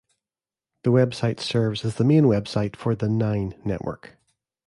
The website serves as the main website for the Nine Network.